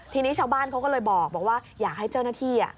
ทีนี้ชาวบ้านเขาก็เลยบอกว่าอยากให้เจ้าหน้าที่